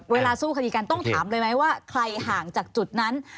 เวลาสู้คดีกันต้องถามเลยไหมว่าใครห่างจากจุดนั้น